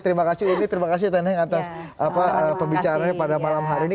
terima kasih uni terima kasih tani yang atas pembicaraan pada malam hari ini